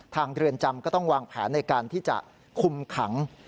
เรือนจำก็ต้องวางแผนในการที่จะคุมขัง